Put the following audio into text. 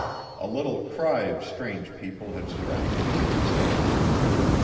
A little city of strange people had surrounded us of a sudden.